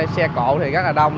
xe cộ thì rất là đông